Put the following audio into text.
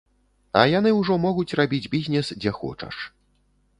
А яны ўжо могуць рабіць бізнес, дзе хочаш.